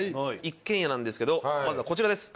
一軒家なんですけどまずはこちらです。